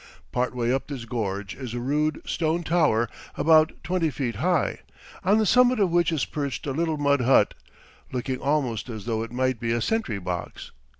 Part way up this gorge is a rude stone tower about twenty feet high, on the summit of which is perched a little mud hut, looking almost as though it might be a sentry box.